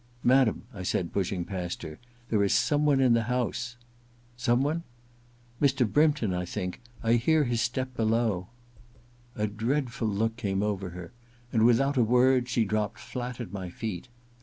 * Madam,* I said, pushing past her, * there is someone in the house '* Someone i * *Mr. Brympton, I think — I hear his step below ' A dreadful look came over her, and without a word, she dropped flat at my feet.